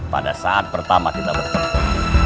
pada saat pertama kita bertemu